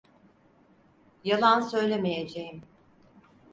Yalan söylemeyeceğim.